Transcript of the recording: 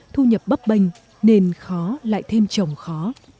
thu nhập bấp bênh nên khó lại thêm chồng khó